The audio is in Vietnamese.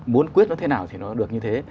muốn quyết nó thế nào thì nó có thể